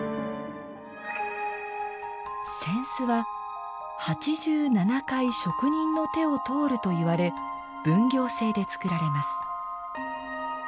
「扇子は８７回職人の手を通る」と言われ分業制で作られます。